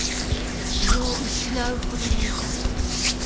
気を失うほどの痛さ。